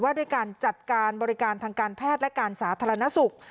ด้วยการจัดการบริการทางการแพทย์และการสาธารณสุข